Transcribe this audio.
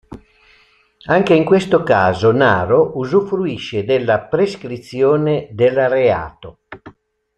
Anche in questo caso Naro usufruisce della prescrizione del reato.